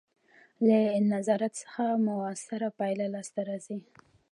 له نظارت څخه مؤثره پایله لاسته راځي.